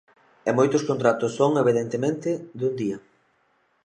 E moitos contratos son, evidentemente, dun día.